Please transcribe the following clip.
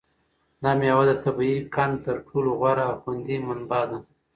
دا مېوه د طبیعي قند تر ټولو غوره او خوندي منبع ده.